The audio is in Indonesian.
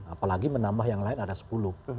apalagi menambah yang lain ada sepuluh